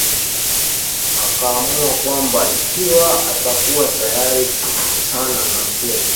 akaamua kwamba ikiwa atakuwa tayari kukutana tena